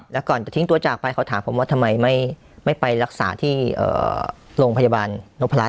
แล้วก่อนจะทิ้งตัวจากไปเขาถามผมว่าทำไมไม่ไปรักษาที่โรงพยาบาลนพรัช